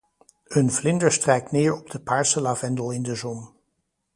Een vlinder strijkt neer op de paarse lavendel in de zon.